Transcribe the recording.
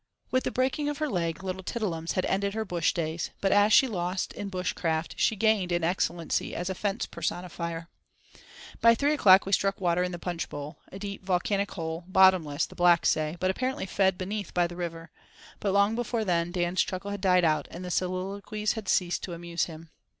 With the breaking of her leg little Tiddle'ums had ended her bush days, but as she lost in bush craft she gained in excellency as a fence personifier. By three o'clock we struck water in the Punch Bowl—a deep, volcanic hole, bottomless, the blacks say, but apparently fed beneath by the river; but long before then Dan's chuckle had died out, and soliloquies had ceased to amuse him.